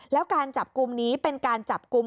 แล้วการจับกลุ่มนี้เป็นการจับกลุ่ม